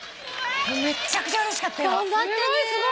めっちゃくちゃうれしかったよ。頑張ったね。